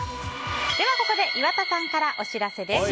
ではここで、岩田さんからお知らせです。